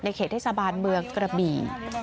ในเขตที่สะบานเมืองกระบี